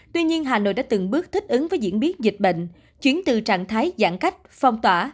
tuy nhiên hà nội đã từng bước thích ứng với diễn biến dịch bệnh chuyển từ trạng thái giãn cách phong tỏa